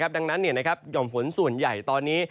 ดังนั้นหย่อมฝนส่วนใหญ่ตอนนี้